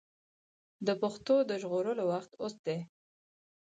د پښتو د ژغورلو وخت اوس دی.